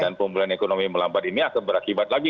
dan pemulihan ekonomi yang melambat ini akan berakibat lagi